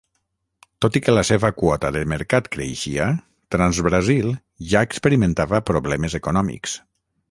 Tot i que la seva quota de mercat creixia, Transbrasil ja experimentava problemes econòmics.